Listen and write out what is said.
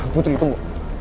gue tuh gitu bu